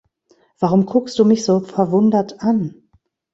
Warum guckst du mich so verwundert an?